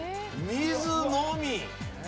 水のみ。